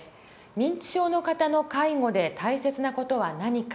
認知症の方の介護で大切な事は何か。